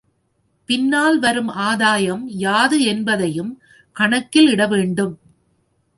பின்னால் வரும் ஆதாயம் யாது என்பதையும் கணக்கில் இட வேண்டும்.